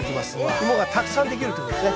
イモがたくさんできるということですね。